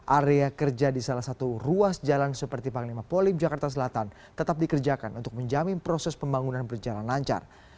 area kerja di salah satu ruas jalan seperti panglima polim jakarta selatan tetap dikerjakan untuk menjamin proses pembangunan berjalan lancar